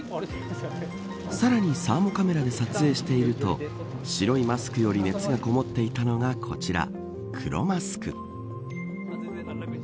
さらに、サーモカメラで撮影してみると白いマスクより熱がこもっていたのが、こちら。